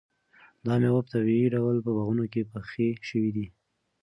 دا مېوې په طبیعي ډول په باغونو کې پخې شوي دي.